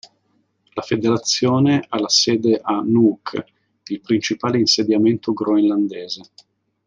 La federazione ha la sede a Nuuk, il principale insediamento groenlandese.